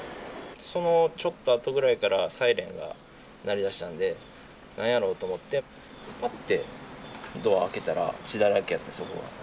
そのちょっとあとぐらいからサイレンが鳴りだしたんで、なんやろうと思って、ぱってドア開けたら、血だらけだった、そこが。